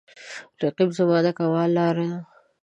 رقیب زما د کمال لاره ده